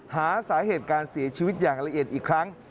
หาสาเหตุการเสียชีวิตอย่างละเอียดอีกครั้ง